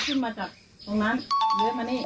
ขึ้นมาจากตรงนั้นยื้อมานี่